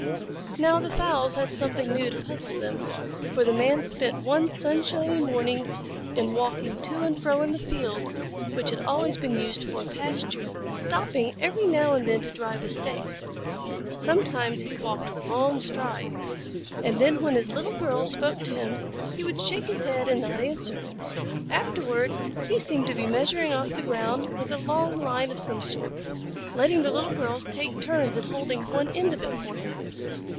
Now the fowls had something new to puzzle them, for the Man spent one sunshiny morning in walking to and fro in the fields which had always been used for a pasture, stopping every now and then to drive a stake. Sometimes he walked with long strides, and then when his Little Girls spoke to him he would shake his head and not answer. Afterward he seemed to be measuring off the ground with a long line of some sort, letting the Little Girls take turns in holding one end of it for him.